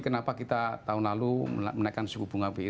kenapa kita tahun lalu menaikkan suku bunga bi jadi tujuh lima